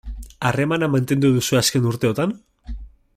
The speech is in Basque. Harremana mantendu duzue azken urteotan?